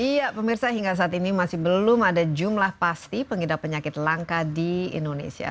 iya pemirsa hingga saat ini masih belum ada jumlah pasti pengidap penyakit langka di indonesia